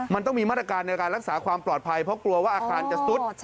มันต้องมีมาตรการในการรักษาความปลอดภัยเพราะกลัวว่าอาคารจะซุด